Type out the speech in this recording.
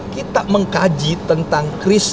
kita mengkaji tentang kris